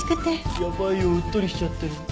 やばいようっとりしちゃってる。